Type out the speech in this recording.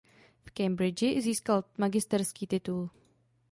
V Cambridgi získal magisterský titul.